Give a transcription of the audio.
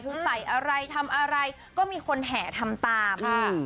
คือใส่อะไรทำอะไรก็มีคนแห่ทำตาม